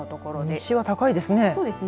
日中は高いですね。